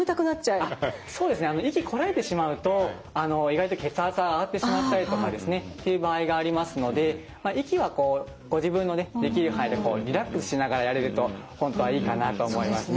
そうですね息こらえてしまうと意外と血圧が上がってしまったりとかっていう場合がありますので息はこうご自分のできる範囲でリラックスしながらやれると本当はいいかなと思いますね。